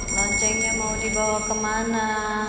loncengnya mau dibawa kemana